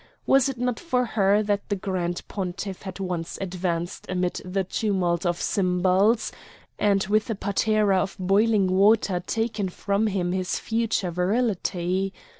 Was it not for her that the grand pontiff had once advanced amid the tumult of cymbals, and with a patera of boiling water taken from him his future virility?